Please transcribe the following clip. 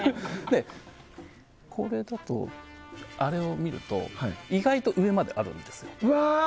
これだと、あれを見ると意外と上まであるんですよ。